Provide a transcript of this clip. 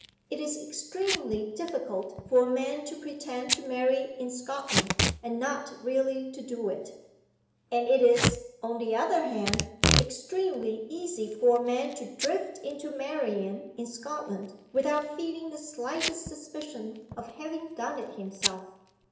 It is extremely difficult for a man to pretend to marry in Scotland, and not really to do it. And it is, on the other hand, extremely easy for a man to drift into marrying in Scotland without feeling the slightest suspicion of having done it himself.